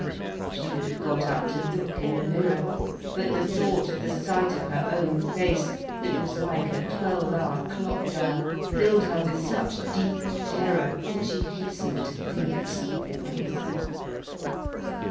She would have got up to look, in the mirror, but the thought of the sight of her own face, that was like a twelve hour clock dial, filled her with such deep terror, that she hastened to think of something else.